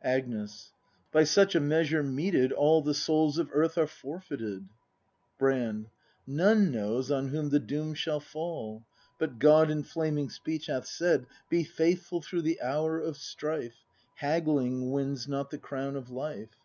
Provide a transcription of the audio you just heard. Agnes. By such a measure meted, all The souls of earth are forfeited. Brand. None knows on whom the doom shall fall; But God in flaming speech hath said: "Be faithful through the hour of strife: Haggling wins not the crown of life!"